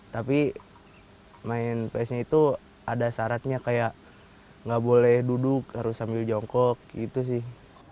tapi main pas nya itu ada syaratnya kayak nggak boleh duduk harus sambil jongkok gitu sih